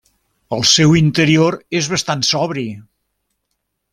El seu interior és bastant sobri.